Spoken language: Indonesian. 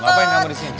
ngapain kamu disini